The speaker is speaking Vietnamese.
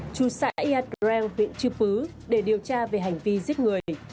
chú sại yad grand huyện chư pứ để điều tra về hành vi giết người